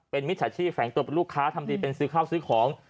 มิจฉาชีพแฝงตัวเป็นลูกค้าทำดีเป็นซื้อข้าวซื้อของ